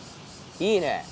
いいね。